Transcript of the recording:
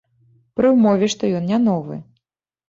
Пры ўмове, што ён не новы.